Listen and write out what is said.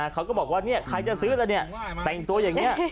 เขาก็บอกว่าใครจะซื้อแล้วเนี่ยแต่งตัวอย่างนี้